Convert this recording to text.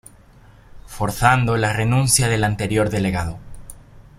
Forzando la renuncia del anterior delegado.